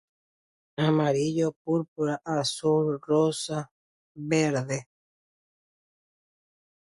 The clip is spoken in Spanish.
Amarillo, púrpura, azul, rosa, verde.